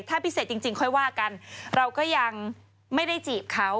ถ้าพิเศษจริงค่อยว่ากันเราก็ยังไม่ได้จีบเขา